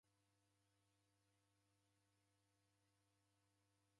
Savi rawedoghoda